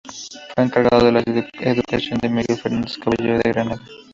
Fue encargado de la educación de Miguel Fernández Caballero de Granada.